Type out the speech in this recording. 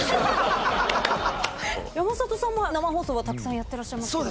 山里さんも生放送はたくさんやってらっしゃいますけど。